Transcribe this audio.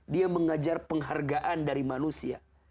dia mengajar penghargaan dari manusia